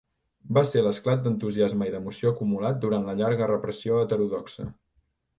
Va ser l'esclat d'entusiasme i d'emoció acumulat durant la llarga repressió heterodoxa.